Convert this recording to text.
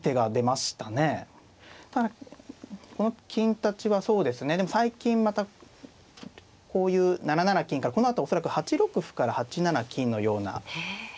ただこの金立ちはそうですねでも最近またこういう７七金からこのあと恐らく８六歩から８七金のような。へえ。